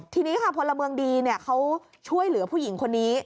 ทีนี้ค่ะพลเมืองดีเขาช่วยเหลือผู้หญิงคนนี้